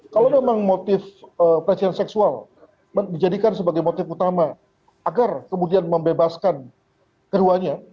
kalau memang motif pelecehan seksual dijadikan sebagai motif utama agar kemudian membebaskan keduanya